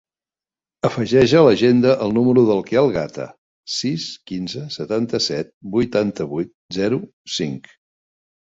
Afegeix a l'agenda el número del Quel Gata: sis, quinze, setanta-set, vuitanta-vuit, zero, cinc.